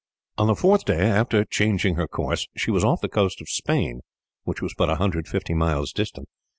On the fourth day after changing her course, she was off the coast of Spain, which was but a hundred and fifty miles distant.